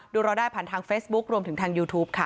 เราได้ผ่านทางเฟซบุ๊ครวมถึงทางยูทูปค่ะ